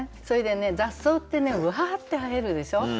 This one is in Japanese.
それでね雑草ってねわって生えるでしょ。